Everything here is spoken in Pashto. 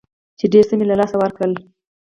چې ډېر څه مې له لاسه ورکړل.